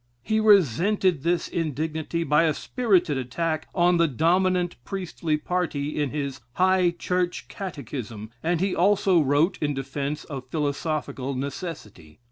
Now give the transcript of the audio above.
He resented this indignity by a spirited attack on the dominant priestly party in his "High Church Catechism," and he also wrote in defence of philosophical necessity.